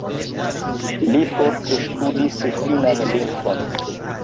Li forte ŝtudis finnan lingvon.